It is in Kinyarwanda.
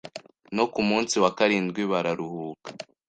no kumunsi wa karindwi bararuhuka